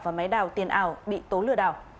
và máy đảo tiền ảo bị tố lừa đảo